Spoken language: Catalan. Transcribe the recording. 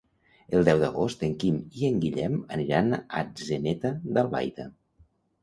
El deu d'agost en Quim i en Guillem aniran a Atzeneta d'Albaida.